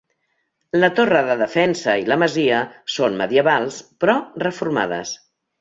La torre de defensa i la masia són medievals, però reformades.